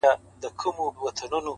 خداى نه چي زه خواست كوم نو دغـــه وي!!